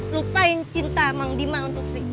lupain cinta mang dima untuk sih